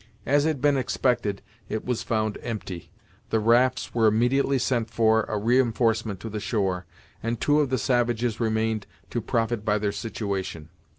As had been expected, it was found empty. The rafts were immediately sent for a reinforcement to the shore, and two of the savages remained to profit by their situation.